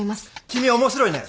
君面白いね。